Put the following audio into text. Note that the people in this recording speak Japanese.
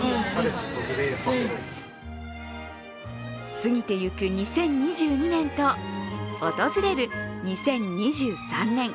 過ぎていく２０２２年と訪れる２０２３年。